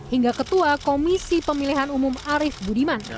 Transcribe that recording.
hingga ketua komisi pemilihan umum arief budiman